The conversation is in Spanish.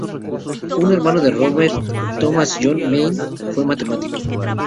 Un hermano de Robert, Thomas John Main, fue matemático.